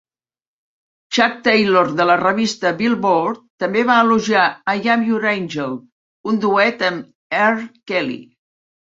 Chuck Taylor de la revista "Billboard" també va elogiar "I'm Your Angel", un duet amb R. Kelly.